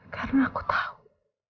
karena aku tahu